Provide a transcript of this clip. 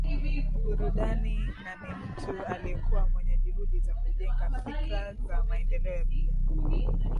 burudani na ni mtu aliyekua mwenye juhudi za kujenga fikra za maendeleo ya vijana